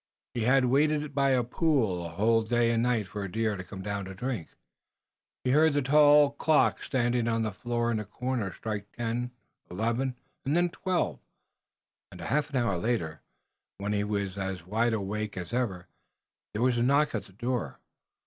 He had waited by a pool a whole day and night for a deer to come down to drink. He heard the tall clock standing on the floor in the corner strike ten, eleven, and then twelve, and a half hour later, when he was as wide awake as ever, there was a knock at the door.